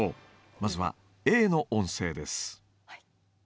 まずはＡの音声です。